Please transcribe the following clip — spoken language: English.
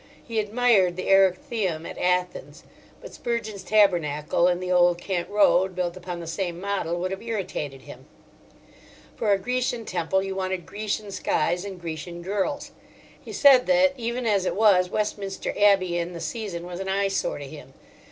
He admired the Erechtheum at Athens; but Spurgeon's Tabernacle in the Old Kent Road built upon the same model would have irritated him. For a Grecian temple you wanted Grecian skies and Grecian girls. He said that, even as it was, Westminster Abbey in the season was an eyesore to him.